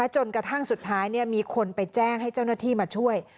จนกระทั่งสุดท้ายมีคนไปแจ้งให้เจ้าหน้าที่มาช่วย